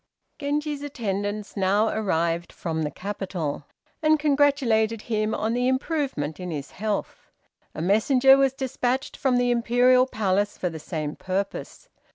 Genji's attendants now arrived from the capital, and congratulated him on the improvement in his health. A messenger was despatched from the Imperial Palace for the same purpose.